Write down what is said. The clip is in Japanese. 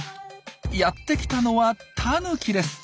やって来たのはタヌキです。